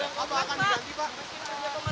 apa akan diganti pak